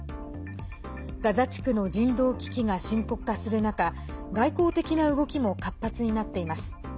ガザ地区の人道危機が深刻化する中外交的な動きも活発になっています。